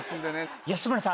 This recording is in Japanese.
安村さん